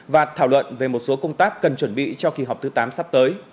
và thảo luận về một số công tác cần chuẩn bị cho kỳ họp thứ tám sắp tới